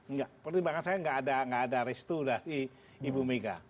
enggak pertimbangan saya nggak ada restu dari ibu mega